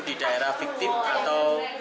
di daerah fiktif atau